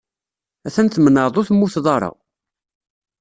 Atan tmenɛeḍ ur temmuteḍ ara.